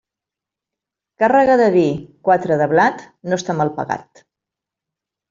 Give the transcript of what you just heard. Càrrega de vi, quatre de blat, no està mal pagat.